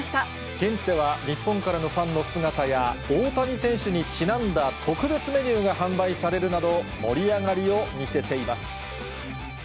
現地では、日本からのファンの姿や、大谷選手にちなんだ特別メニューが販売されるなど、盛り上がりを見せています。